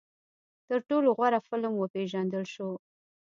تر ټولو غوره فلم وپېژندل شو